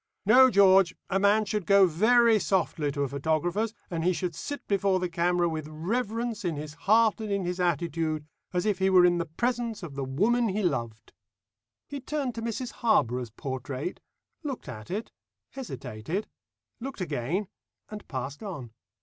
"No, George, a man should go very softly to a photographer's, and he should sit before the camera with reverence in his heart and in his attitude, as if he were in the presence of the woman he loved." He turned to Mrs Harborough's portrait, looked at it, hesitated, looked again, and passed on.